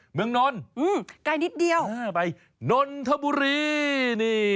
เมืองนท์อืมใกล้นิดเดียวไปนทบุรีนี่